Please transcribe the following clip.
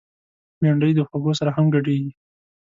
بېنډۍ د خوږو سره هم ګډیږي